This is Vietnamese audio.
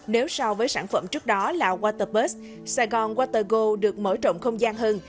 nếu so với sản phẩm trước đó là waterbus sài gòn watergo được mở rộng không gian hơn